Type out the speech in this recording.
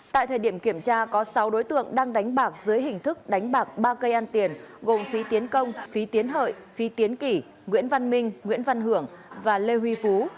tại thời điểm kiểm tra có sáu đối tượng đang đánh bạc dưới hình thức đánh bạc ba cây ăn tiền gồm phí tiến công phí tiến hợi phí tiến kỳ nguyễn văn minh nguyễn văn hưởng và lê huy phú